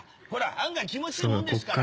案外気持ちいいもんですから。